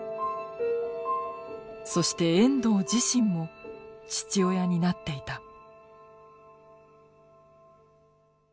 そして遠藤自身も父親になっていた。